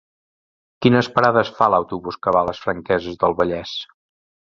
Quines parades fa l'autobús que va a les Franqueses del Vallès?